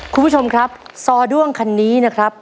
คุณผู้ชมครับซอด้วงคันนี้นะครับ